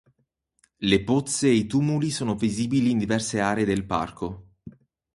Le pozze e i tumuli sono visibili in diverse aree del parco.